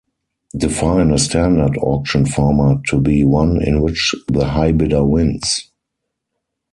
Define a standard auction format to be one in which the high bidder wins.